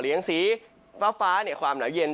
หรือทั้งสีฟ้าความหนาวเย็น